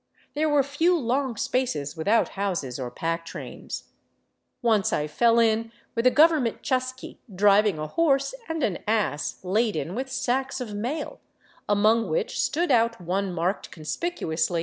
There were few long spaces without houses or pack trains. Once I fell in with a government chasqui driv ing a horse and an ass laden with sacks of mail, among which stood 278 DRAWBACKS OF THE TRAIL ," U. S.